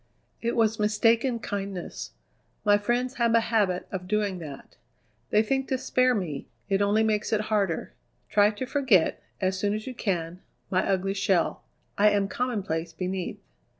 "It was mistaken kindness. My friends have a habit of doing that. They think to spare me; it only makes it harder. Try to forget, as soon as you can, my ugly shell; I am commonplace beneath."